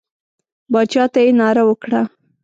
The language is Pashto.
باچا ته یې ناره وکړه.